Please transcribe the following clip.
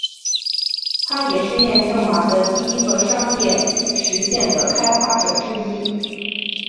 他也是验证码的第一个商业实现的开发者之一。